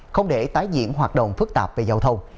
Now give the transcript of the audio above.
không để tái diễn hoạt động phức tạp về giao thông